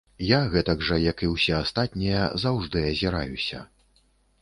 Я гэтак жа, як і ўсе астатнія, заўжды азіраюся.